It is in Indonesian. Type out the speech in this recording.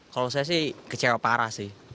kalau saya sih kecewa parah sih